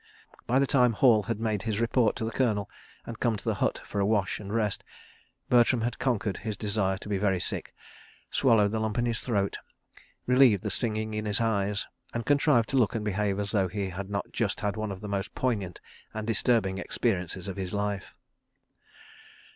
By the time Hall had made his report to the Colonel and come to the hut for a wash and rest, Bertram had conquered his desire to be very sick, swallowed the lump in his throat, relieved the stinging in his eyes, and contrived to look and behave as though he had not just had one of the most poignant and disturbing experiences of his life.